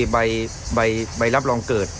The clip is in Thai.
ใบรับรองเกิด